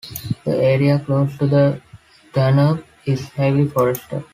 The area close to the Danube is heavily forested.